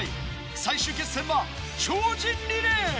最終決戦は超人リレー。